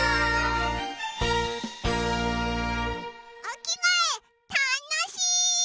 おきがえたのしい！